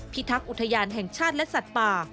ทักษ์อุทยานแห่งชาติและสัตว์ป่า